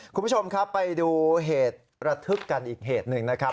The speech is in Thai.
คุณผู้ชมครับไปดูเหตุระทึกกันอีกเหตุหนึ่งนะครับ